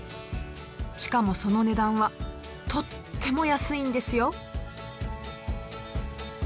しかもその値段はとっても安いんですよ！